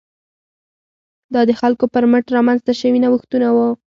دا د خلکو پر مټ رامنځته شوي نوښتونه وو.